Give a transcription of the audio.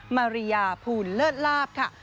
มาริยาภูลเลิศลาบค่ะ